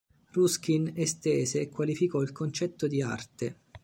Ruskin estese e qualificò il concetto di “arte”.